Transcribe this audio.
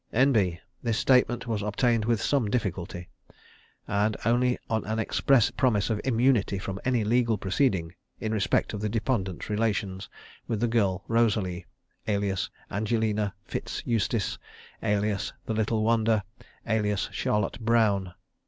_ N.B. This statement was obtained with some difficulty, and only on an express promise of immunity from any legal proceeding, in respect of the deponent's relations with the girl Rosalie, alias Angelina Fitz Eustace, alias the "Little Wonder," alias Charlotte Brown.